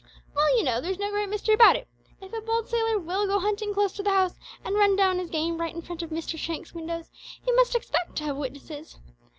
"Well, you know, there's no great mystery about it. If a bold sailor will go huntin' close to the house, and run down his game right in front of Mr Shank's windows, he must expect to have witnesses.